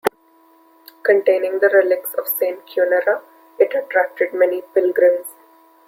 Containing the relics of Saint Cunera, it attracted many pilgrims.